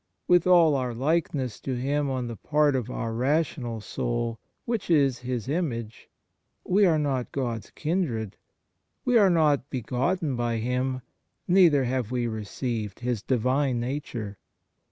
With all our likeness to Him on the part of our rational soul, which is His image, we are not God s kindred; we are not begotten by Him, neither have we received His Divine Nature.